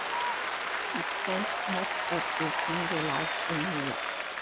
He spent much of his younger life in Europe.